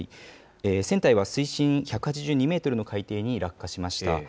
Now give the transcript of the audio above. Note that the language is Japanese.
船体は水深１８２メートルの海底に落下しました。